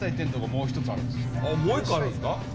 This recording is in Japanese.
もう１個あるんですか。